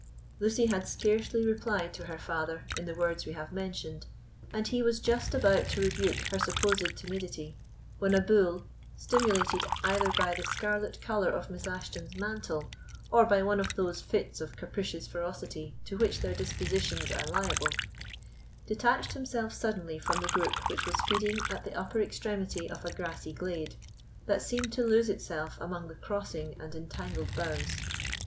Lucy had scarcely replied to her father in the words we have mentioned, and he was just about to rebuke her supposed timidity, when a bull, stimulated either by the scarlet colour of Miss Ashton's mantle, or by one of those fits of capricious ferocity to which their dispositions are liable, detached himself suddenly from the group which was feeding at the upper extremity of a grassy glade, that seemed to lose itself among the crossing and entangled boughs.